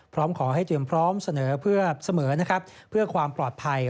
พร้อมขอให้เตรียมพร้อมเสนอเสมอเพื่อความปลอดภัย